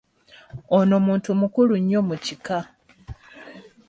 Ono muntu mukulu nnyo mu kika.